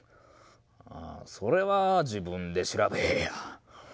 それは自分で調べえや。